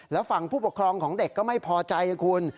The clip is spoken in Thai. แล้วฝั่งผู้ปกครองของเด็กก็ไม่พอใจคุณ